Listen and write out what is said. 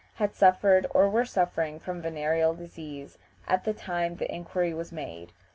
had suffered or were suffering from venereal disease at the time the inquiry was made.